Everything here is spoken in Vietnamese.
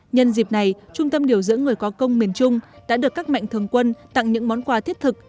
nhân dịp này trung tâm điều dưỡng người có công miền trung đã được các mạnh thường quân tặng những món quà thiết thực